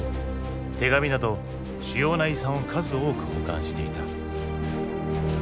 手紙など主要な遺産を数多く保管していた。